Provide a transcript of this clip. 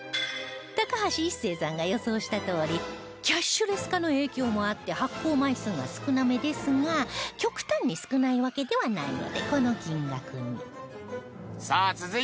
高橋一生さんが予想したとおりキャッシュレス化の影響もあって発行枚数が少なめですが極端に少ないわけではないのでこの金額に